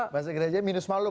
bahasa gereja minus malu